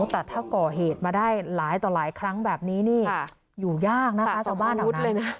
แต่ถ้าก่อเหตุมาได้หลายต่อหลายครั้งแบบนี้อยู่ยากนะคะเจ้าบ้านเหล่านั้น